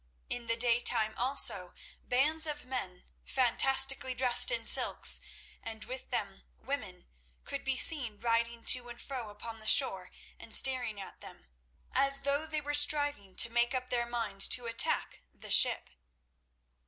In the daytime also bands of men, fantastically dressed in silks, and with them women, could be seen riding to and fro upon the shore and staring at them, as though they were striving to make up their minds to attack the ship.